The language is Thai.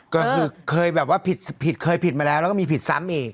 ก็คือเคยผิดมาแล้วแล้วก็มีผิดซ้ำอีก